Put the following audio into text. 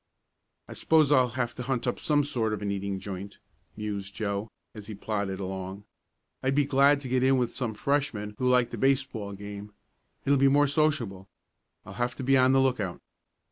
"I suppose I'll have to hunt up some sort of an eating joint," mused Joe, as he plodded along. "I'd be glad to get in with some freshmen who like the baseball game. It'll be more sociable. I'll have to be on the lookout."